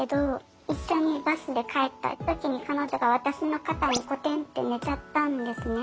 一緒にバスで帰った時に彼女が私の肩にコテンッて寝ちゃったんですね。